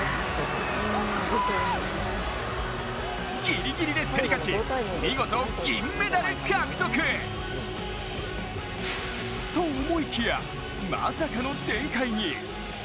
ぎりぎりで競り勝ち見事、銀メダル獲得！と思いきや、まさかの展開に。